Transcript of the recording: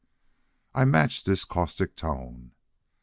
I matched his caustic tone.